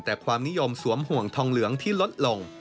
แต่ความนิยมสวมห่วงทองเหลืองที่ลดลง